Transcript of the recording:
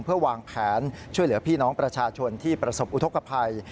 เพื่อวางแผนช่วยเหลือพี่น้องประชาชนที่ประสบอุทธกภัย